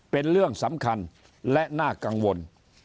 เป็นเรื่องสำคัญและน่ากังวล